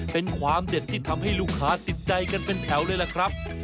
เป็นความเด็ดที่ทำให้ลูกค้าติดใจกันเป็นแถวเลยล่ะครับ